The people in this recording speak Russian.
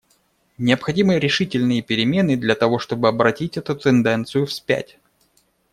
Необходимы решительные перемены, для того чтобы обратить эту тенденцию вспять.